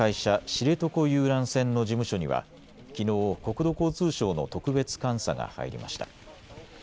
知床遊覧船の事務所にはきのう国土交通省の特別監査が入りました。